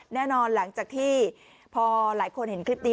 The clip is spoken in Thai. หลังจากที่พอหลายคนเห็นคลิปนี้